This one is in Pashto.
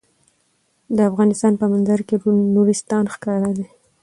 د افغانستان په منظره کې نورستان ښکاره ده.